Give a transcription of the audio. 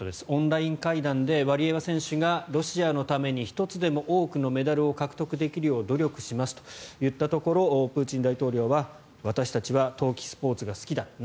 オンライン会談でワリエワ選手がロシアのために１つでも多くのメダルを獲得できるよう努力しますと言ったところプーチン大統領は私たちは冬季スポーツが好きだ。